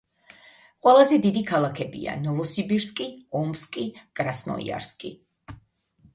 ყველაზე დიდი ქალაქებია: ნოვოსიბირსკი, ომსკი, კრასნოიარსკი.